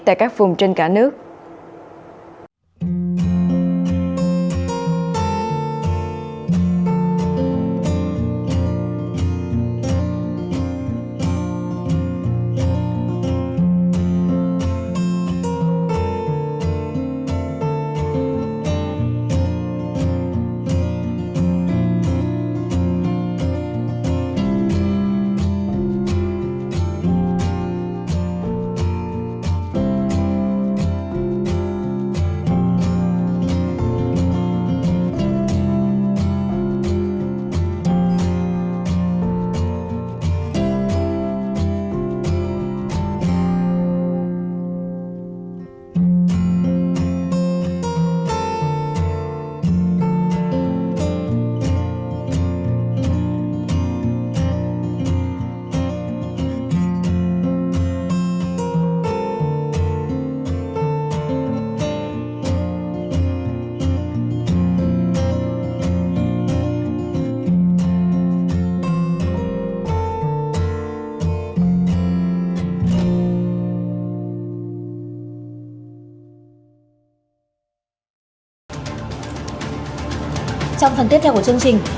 tại các vùng trên cả nước